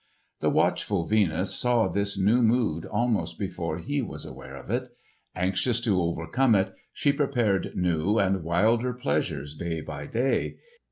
The watchful Venus saw this new mood almost before he was aware of it. Anxious to overcome it, she prepared new and wilder pleasures day by day.